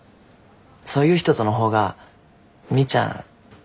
そういう人との方がみーちゃん